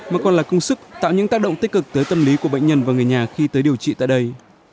mà còn là công sức tạo những tác động tích cực tới tâm lý của bệnh nhân và người nhà khi tới điều trị tại đây